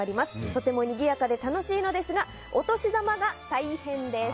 とてもにぎやかで楽しいのですがお年玉が大変です。